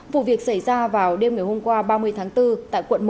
vụ việc xảy ra vào đêm ngày hôm qua ba mươi tháng bốn tại quận một